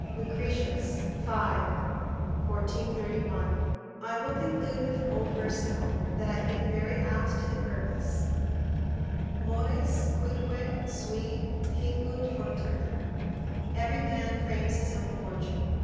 Lucretius, v. 1431] I will conclude with an old versicle, that I think very apt to the purpose: "Mores cuique sui fingunt fortunam." ["Every man frames his own fortune."